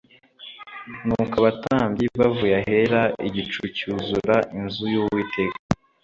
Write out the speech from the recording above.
Nuko abatambyi bavuye Ahera igicu cyuzura inzu y’Uwiteka